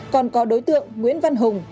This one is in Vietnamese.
còn có đối tượng nguyễn văn hùng